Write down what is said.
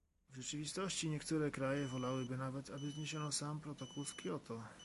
W rzeczywistości niektóre kraje wolałyby nawet, aby zniesiono sam protokół z Kioto